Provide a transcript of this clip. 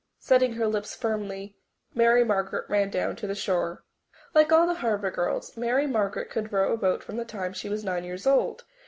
Setting her lips firmly, Mary Margaret ran down to the shore. Like all the Harbour girls, Mary Margaret could row a boat from the time she was nine years old.